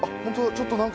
ちょっとなんか。